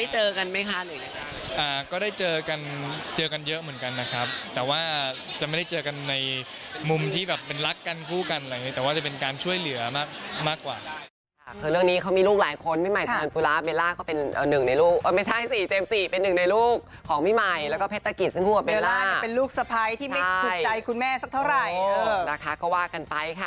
อเจมส์ก็ได้เจอกันเยอะเหมือนกันนะครับแต่ว่าจะไม่ได้เจอกันในมุมที่เป็นรักกันผู้กันแต่ว่าจะเป็นการช่วยเหลือมากกว่า